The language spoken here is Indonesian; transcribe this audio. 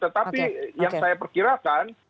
tetapi yang saya perkirakan